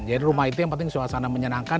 jadi rumah itu yang penting suasana menyenangkan